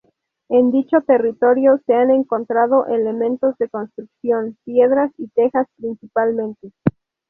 En dicho territorio se han encontrado elementos de construcción, piedras y tejas principalmente.